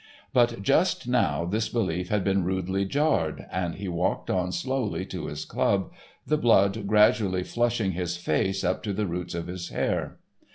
But just now this belief had been rudely jarred, and he walked on slowly to his club, the blood gradually flushing his face up to the roots of his hair.